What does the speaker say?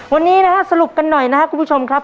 วันนี้นะฮะสรุปกันหน่อยนะครับคุณผู้ชมครับ